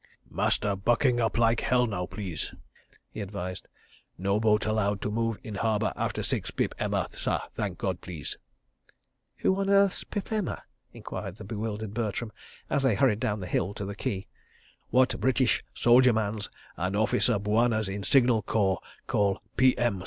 "Master bucking up like hell now, please," he advised. "No boat allowed to move in harbour after six pip emma, sah, thank God, please." "Who on earth's Pip Emma?" enquired the bewildered Bertram, as they hurried down the hill to the quay. "What British soldier mans and officer bwanas in Signal Corps call 'p.m.